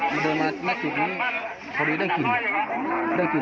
เชื่อกันหาเสร็จพอดีก็ได้กลิ่น